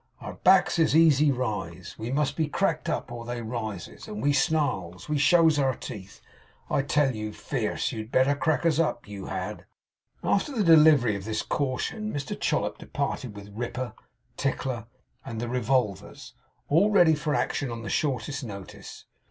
Our backs is easy ris. We must be cracked up, or they rises, and we snarls. We shows our teeth, I tell you, fierce. You'd better crack us up, you had!' After the delivery of this caution, Mr Chollop departed; with Ripper, Tickler, and the revolvers, all ready for action on the shortest notice.